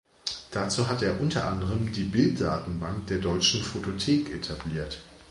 Dazu hat er unter anderem die Bilddatenbank der Deutschen Fotothek etabliert.